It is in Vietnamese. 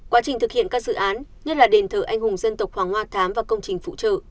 quá trình thực hiện các dự án nhất là đền thờ anh hùng dân tộc hoàng hoa thám và công trình phụ trợ